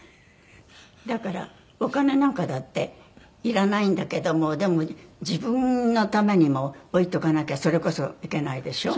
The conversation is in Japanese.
だからお金なんかだっていらないんだけどもでも自分のためにも置いとかなきゃそれこそいけないでしょ。